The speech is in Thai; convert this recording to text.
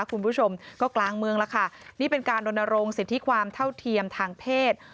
คุณผู้ชมก็กลางเมืองแล้วค่ะนี่เป็นการรณรงค์สิทธิความเท่าเทียมทางเพศ